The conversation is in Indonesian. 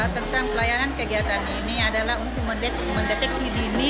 tentang pelayanan kegiatan ini adalah untuk mendeteksi dini